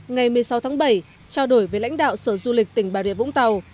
ngày một mươi sáu tháng bảy trao đổi với lãnh đạo sở du lịch tỉnh bà rịa vũng tàu